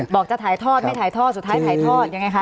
จะถ่ายทอดไม่ถ่ายทอดสุดท้ายถ่ายทอดยังไงคะ